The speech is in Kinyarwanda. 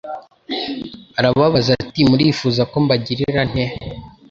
Arababaza ati: «Murifuza ko mbagirira nte?»